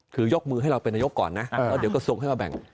คือยกมือให้เราเป็นนายกก่อนนะแล้วเดี๋ยวกระทรวงให้มาแบ่ง